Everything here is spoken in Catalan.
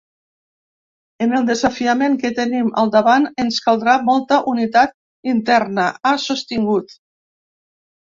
En el desafiament que tenim al davant ens caldrà molta unitat interna, ha sostingut.